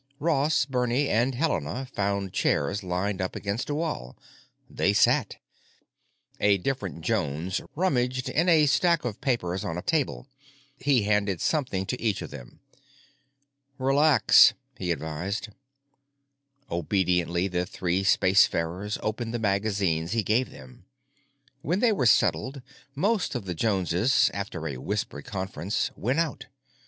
Ross, Bernie, and Helena found chairs lined up against a wall; they sat. A different Jones rummaged in a stack of papers on a table; he handed something to each of them. "Relax," he advised. Obediently the three spacefarers opened the magazines he gave them. When they were settled, most of the Joneses, after a whispered conference, went out.